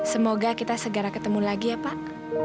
semoga kita segera ketemu lagi ya pak